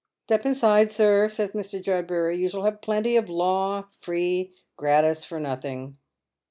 " Step inside, sir," says Mr. Judbury ;" you shall have plenty of law, free, gratis, for nothing."